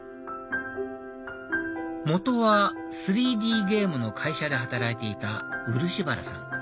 元は３Ｄゲームの会社で働いていた漆原さん